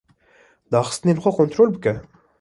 Daxistinên xwe kontol bike.